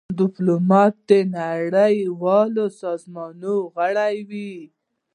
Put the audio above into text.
ډيپلومات د نړېوالو سازمانونو غړی وي.